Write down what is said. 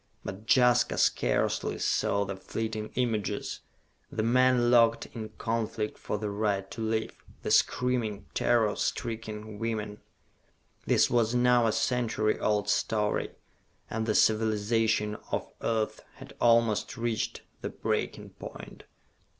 But Jaska scarcely saw the fleeting images, the men locked in conflict for the right to live, the screaming, terror stricken women. This was now a century old story, and the civilization of Earth had almost reached the breaking point.